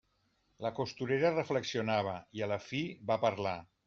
La costurera reflexionava, i a la fi va parlar.